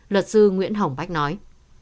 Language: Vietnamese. luật sư nguyễn hồng bách nói